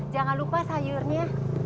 jangan lupa sayurnya